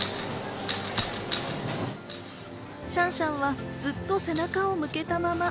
シャンシャンはずっと背中を向けたまま。